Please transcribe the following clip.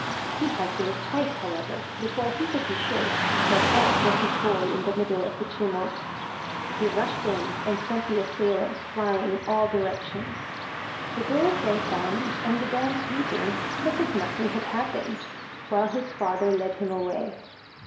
He had to look twice, however, before he could be sure that that was his boy in the middle of the tumult. He rushed in, and sent the assailants flying in all directions. The girl thanked Diamond, and began sweeping as if nothing had happened, while his father led him away.